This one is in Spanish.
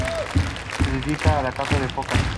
Se dedicaba a la caza de focas.